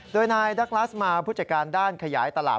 โดยนายดักลัสมาผู้จัดการด้านขยายตลาด